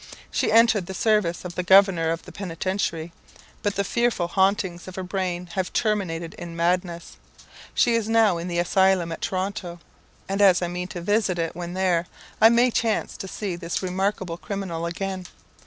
She entered the service of the governor of the Penitentiary, but the fearful hauntings of her brain have terminated in madness. She is now in the asylum at Toronto; and as I mean to visit it when there, I may chance to see this remarkable criminal again.